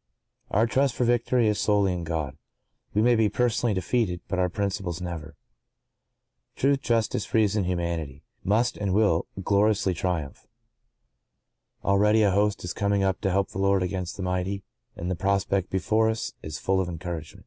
(¶ 42) Our trust for victory is solely in God. We may be personally defeated, but our principles never. Truth, Justice, Reason, Humanity, must and will gloriously triumph. Already a host is coming up to help the Lord against the mighty, and the prospect before us is full of encouragement.